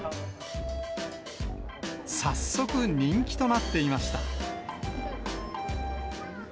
早速、人気となっていました。